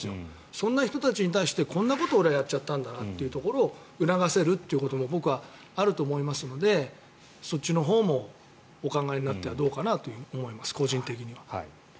そんな人たちに対してこんなことを俺やっちゃったんだというところを促せるということも僕はあると思いますのでそっちのほうもお考えになってはどうかと思います、個人的には。